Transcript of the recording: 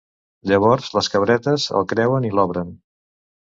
Llavors les cabretes el creuen i l'obren.